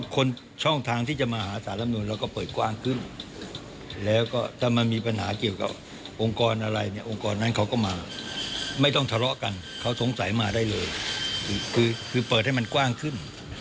คนช่องทางที่จะมาหาสารรัฐธรรมนูลเราก็เปิดกว้างขึ้น